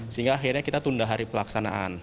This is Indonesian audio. sehingga akhirnya kita tunda hari pelaksanaan